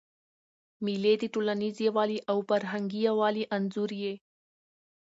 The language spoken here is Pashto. مېلې د ټولنیز یووالي او فرهنګي یووالي انځور يي.